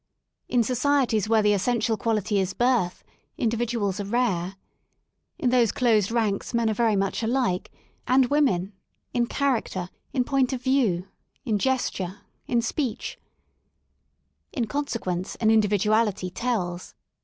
In societies where the essential quality is birth, in dividuals are rare. In those closed ranks men are very much alike, and women — in character, in point of view, in gesture, in speech* In consequence an individuality tells.